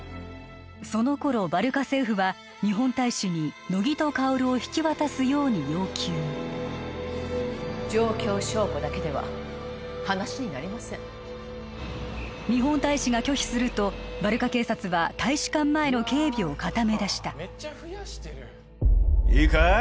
その頃バルカ政府は日本大使に乃木と薫を引き渡すように要求状況証拠だけでは話になりません日本大使が拒否するとバルカ警察は大使館前の警備を固めだしためっちゃ増やしてるいいか